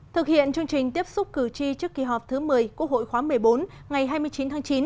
thực hiện chương trình tiếp xúc cử tri trước kỳ họp thứ một mươi quốc hội khóa một mươi bốn ngày hai mươi chín tháng chín